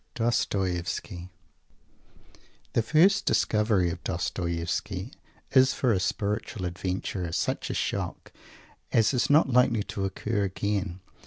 DOSTOIEVSKY The first discovery of Dostoievsky is, for a spiritual adventurer, such a shock as is not likely to occur again.